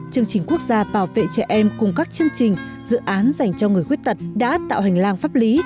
chương trình quốc gia bảo vệ trẻ em cùng các chương trình dự án dành cho người khuyết tật đã tạo hành lang pháp lý